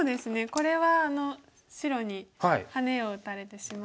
これは白にハネを打たれてしまって。